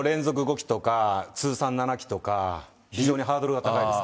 連続５期とか、通算７期とか、非常にハードルは高いですね。